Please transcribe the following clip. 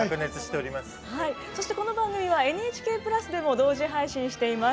そしてこの番組はＮＨＫプラスでも同時配信しています。